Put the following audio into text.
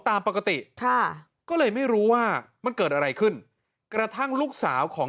ตามปกติค่ะก็เลยไม่รู้ว่ามันเกิดอะไรขึ้นกระทั่งลูกสาวของ